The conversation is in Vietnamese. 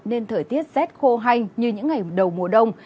nên thời tiết rét khô hanh như những ngày đầu mùa đông